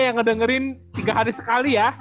yang ngedengerin tiga hari sekali ya